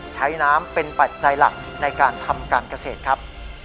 ใช้น้ำเป็นปัจจัยหลักในการทำการเกษตรครับ